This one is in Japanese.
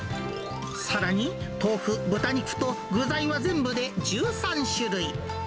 さらに豆腐、豚肉と、具材は全部で１３種類。